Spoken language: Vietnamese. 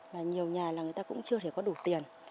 là nhiều nhà là người ta cũng chưa thể có đủ tiền